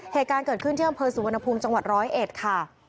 เหตุการณ์เกิดขึ้นที่อำเภอสุวรรณภูมิจังหวัดร้อยเอ็ดค่ะ